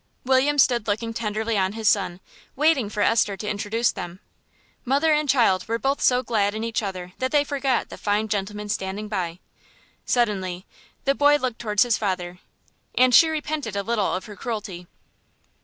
William stood looking tenderly on his son, waiting for Esther to introduce them. Mother and child were both so glad in each other that they forgot the fine gentleman standing by. Suddenly the boy looked towards his father, and she repented a little of her cruelty.